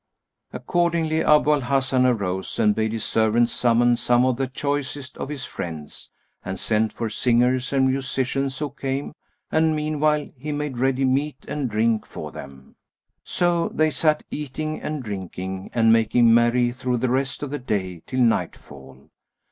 Accordingly, Abu al Hasan arose and bade his servants summon some of the choicest of his friends and sent for singers and musicians who came; and meanwhile he made ready meat and drink for them; so they sat eating and drinking and making merry through the rest of the day till nightfall.